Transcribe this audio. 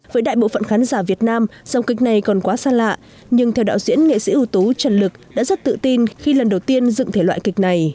với đại bộ phận khán giả việt nam dòng kịch này còn quá xa lạ nhưng theo đạo diễn nghệ sĩ ưu tú trần lực đã rất tự tin khi lần đầu tiên dựng thể loại kịch này